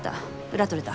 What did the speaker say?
裏取れた。